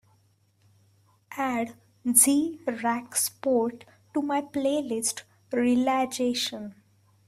Add ze rak sport to my playlist Relajación